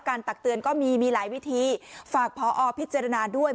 ตักเตือนก็มีมีหลายวิธีฝากพอพิจารณาด้วย